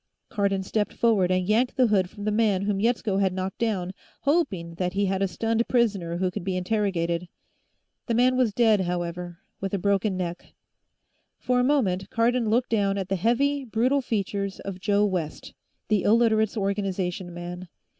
Cardon stepped forward and yanked the hood from the man whom Yetsko had knocked down, hoping that he had a stunned prisoner who could be interrogated. The man was dead, however, with a broken neck. For a moment, Cardon looked down at the heavy, brutal features of Joe West, the Illiterates' Organization man.